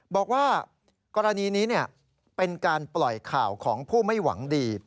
บอกว่ากรณีนี้เป็นการปล่อยข่าวของผู้ไม่หวังดี